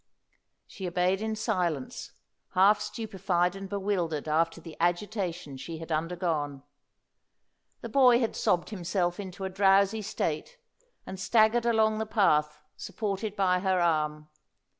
She obeyed in silence, half stupefied and bewildered after the agitation she had undergone. The boy had sobbed himself into a drowsy state, and staggered along the path supported by her arm.